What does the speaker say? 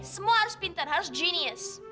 semua harus pinter harus genius